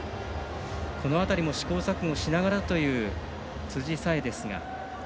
この辺りも試行錯誤しながらという辻沙絵ですが。